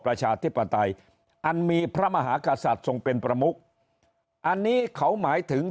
ประชาธิปไตยอันมีพระมหากษัตริย์ทรงเป็นประมุกอันนี้เขาหมายถึง